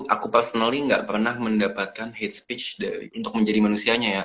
aku personally nggak pernah mendapatkan hate speech untuk menjadi manusianya ya